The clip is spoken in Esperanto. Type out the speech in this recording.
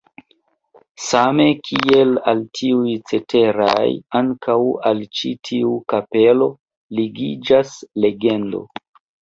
Same kiel al tiuj ceteraj, ankaŭ al ĉi tiu kapelo ligiĝas legendo.